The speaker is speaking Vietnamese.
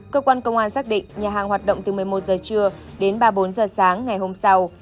cơ quan công an xác định nhà hàng hoạt động từ một mươi một h trưa đến ba mươi bốn h sáng ngày hôm sau